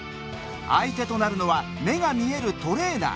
相手となるのは目が見えるトレーナー。